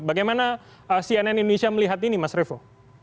bagaimana cnn indonesia melihat ini mas revo